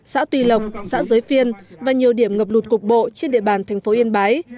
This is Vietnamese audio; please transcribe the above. xã tùy lộc xã giới phiên và nhiều điểm ngập lụt cục bộ trên địa bàn thành phố yên bái